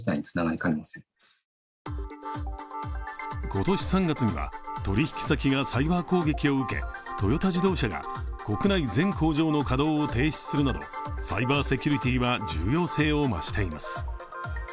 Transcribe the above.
今年３月には取引先がサイバー攻撃を受けトヨタ自動車が国内全工場の稼働を停止するなどサイバーセキュリティーは重要性を増しています。